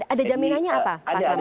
ada jaminannya apa pak selamat